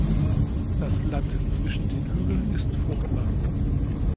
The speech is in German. Das Land zwischen den Hügeln ist fruchtbar.